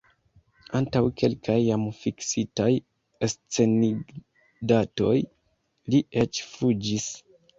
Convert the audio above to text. Antaŭ kelkaj jam fiksitaj enscenigdatoj li eĉ fuĝis.